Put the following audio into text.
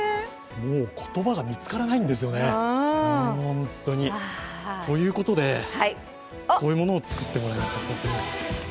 もう言葉が見つからないんですよね、本当に。ということで、こういうものを作ってもらいました、スタッフに。